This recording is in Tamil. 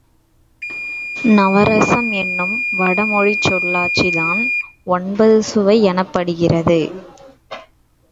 நவரசம் என்னும் வடமொழிச் சொல்லாட்சிதான் ஒன்பது சுவை எனப்படுகிறது.